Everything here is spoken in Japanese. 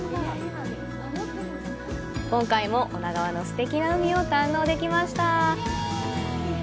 今回も女川のすてきな海を堪能できました！